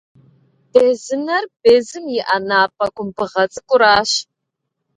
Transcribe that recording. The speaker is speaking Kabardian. Безынэр безым иӏэ напӏэ кумбыгъэ цӏыкӏуращ.